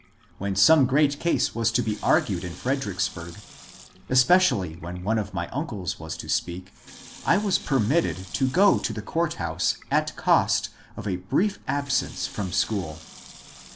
When some great case was to be argued in Fredericksburg, espe cially when one of my uncles was to speak, I was permitted to go to the court house at cost of a brief absence from school.